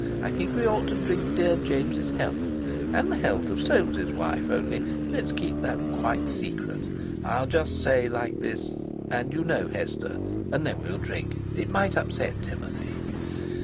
I think we ought to drink dear James' health, and—and the health of Soames' wife; only, let's keep that quite secret. I'll just say like this, 'And you know, Hester!' and then we'll drink. It might upset Timothy."